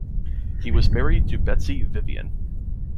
He was married to Betsy Vivian.